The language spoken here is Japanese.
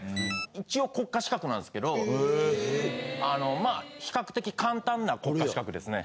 一応国家資格なんすけどま比較的簡単な国家資格ですね。